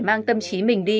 mang tâm trí mình đi